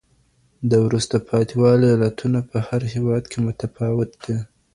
د وروسته پاته والي علتونه په هر هېواد کي متفاوت دي.